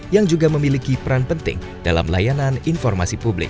yang juga memiliki peran penting dalam layanan informasi publik